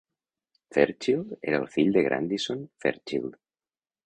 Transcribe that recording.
Fairchild era el fill de Grandison Fairchild.